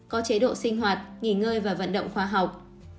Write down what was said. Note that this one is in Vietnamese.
có chế độ sinh hoạt nghỉ ngơi và vận động khoa học